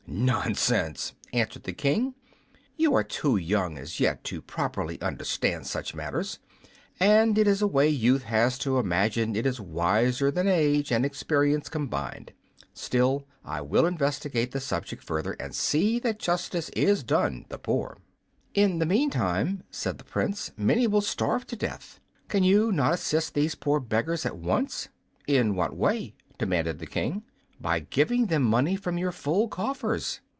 "Nonsense!" answered the King; "you are too young as yet to properly understand such matters. And it is a way youth has to imagine it is wiser than age and experience combined. Still, I will investigate the subject further, and see that justice is done the poor." "In the meantime," said the Prince, "many will starve to death. Can you not assist these poor beggars at once?" "In what way?" demanded the King. "By giving them money from your full coffers."